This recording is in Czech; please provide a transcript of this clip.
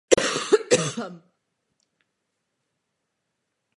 Medaile byla držena s velkou úctou od všech odvětví Wehrmachtu.